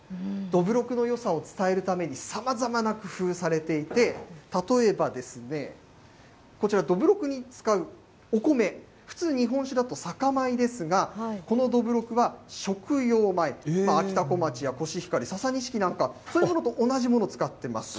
どぶろくのよさを伝えるために、さまざまな工夫されていて、例えばですね、こちら、どぶろくに使うお米、普通、日本酒だと酒米ですが、このどぶろくは食用米、あきたこまちやコシヒカリ、ササニシキなんか、そういうものと同じものを使ってます。